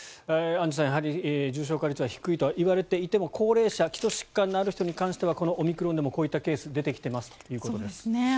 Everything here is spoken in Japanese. アンジュさんやはり重症化率が低いとはいわれていても高齢者基礎疾患のある人に関してはこのオミクロンでもこういったケースが出てきていますということです。